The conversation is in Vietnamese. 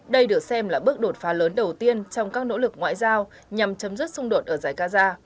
đây được xem là bước đột phá lớn đầu tiên trong các nỗ lực ngoại giao nhằm chấm dứt xung đột ở giải gaza